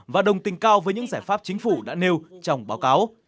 và đồng tình cao với những giải pháp chính phủ đã nêu trong báo cáo